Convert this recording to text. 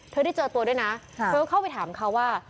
เธอได้เจอตัวด้วยนะเธอก็เข้าไปถามเขาว่า